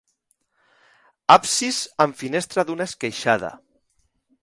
Absis amb finestra d'una esqueixada.